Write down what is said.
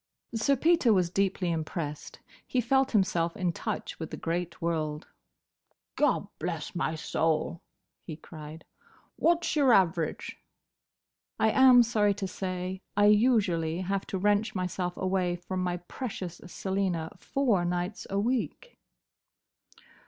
'" Sir Peter was deeply impressed. He felt himself in touch with the great world. "Gobblessmysoul!" he cried. "What's your average?" "I am sorry to say, I usually have to wrench myself away from my precious Selina four nights a week."